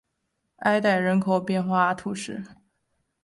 埃代人口变化图示